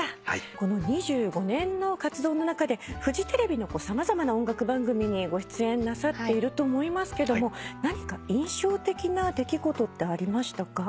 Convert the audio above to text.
この２５年の活動の中でフジテレビの様々な音楽番組にご出演なさっていると思いますけども何か印象的な出来事ってありましたか？